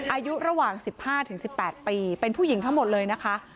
อายุระหว่าง๑๕๑๘ปีเป็นผู้หญิงทั้งหมดเลยนะคะ